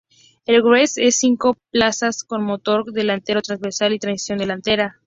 El Getz es un cinco plazas con motor delantero transversal y tracción delantera.